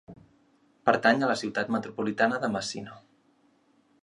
Pertany a la ciutat metropolitana de Messina.